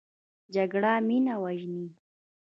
جګړه مینه وژني